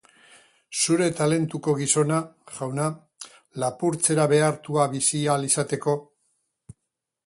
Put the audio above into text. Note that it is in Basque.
Zure talentuko gizona, jauna, lapurtzera behartua bizi ahal izateko!